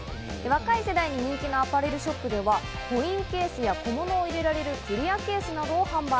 若い世代に人気のアパレルショップではコインケースや小物を入れられるクリアケースなどを販売。